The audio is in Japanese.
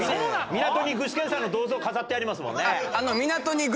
港に具志堅さんの銅像飾ってますもんね。